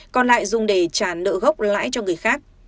còn lại dùng để trả nợ gốc lãi cho người khác